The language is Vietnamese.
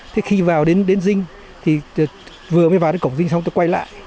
thế khi vào đến bến dinh thì vừa mới vào đến cổng dinh xong tôi quay lại